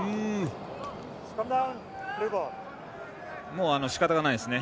もうしかたがないですね。